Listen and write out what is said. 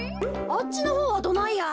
あっちのほうはどないや？